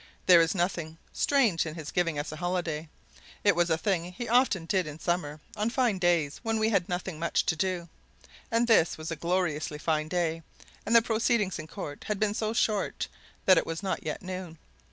There was nothing strange in his giving us a holiday it was a thing he often did in summer, on fine days when we had nothing much to do, and this was a gloriously fine day and the proceedings in court had been so short that it was not yet noon.